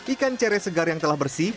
ikan cere segar yang telah bersih